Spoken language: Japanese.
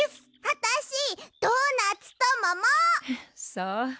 そう。